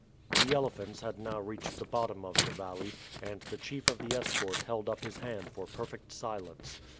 The elephants had now reached the bottom of the valley, and the chief of the escort held up his hand for perfect silence.